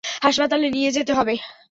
হাসপাতালে নিয়ে যেতে হবে!